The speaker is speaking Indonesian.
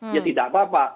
ya tidak apa apa